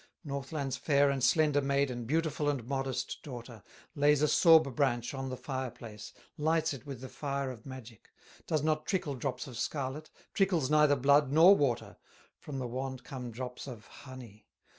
Northland's fair and slender maiden, Beautiful and modest daughter, Lays a sorb branch on the fire place, Lights it with the fire of magic; Does not trickle drops of scarlet, Trickles neither blood, nor water, From the wand come drops of honey.